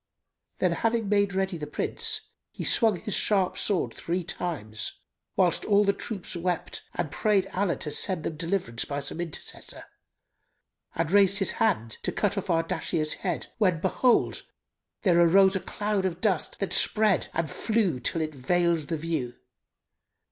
Then, having made ready the Prince he swung his sharp sword three times (whilst all the troops wept and prayed Allah to send them deliverance by some intercessor), and raised his hand to cut off Ardashir's head when, behold, there arose a cloud of dust, that spread and flew till it veiled the view.